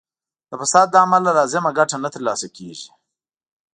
د فساد له امله لازمه ګټه نه تر لاسه کیږي.